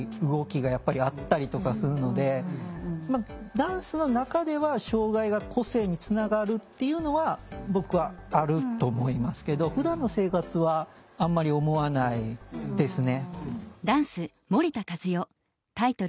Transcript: ダンスの中では障害が個性につながるっていうのは僕はあると思いますけどふだんの生活はあんまり思わないですね。